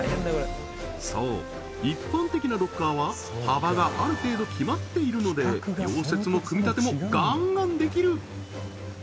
そう一般的なロッカーは幅がある程度決まっているので溶接も組み立てもガンガンできる！